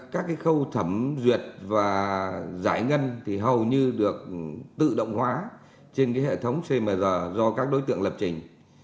các cái khâu thẩm duyệt và giải ngân thì hầu như được tự động hóa trên hệ thống cmr do các đối tượng lập trình